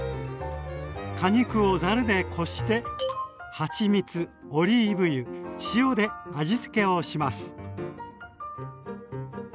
果肉をざるでこしてはちみつオリーブ油塩で味付けをします。